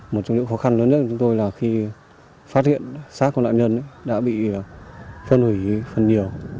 một trong những khó khăn lớn nhất của chúng tôi là khi phát hiện sát của nạn nhân đã bị phân hủy phần nhiều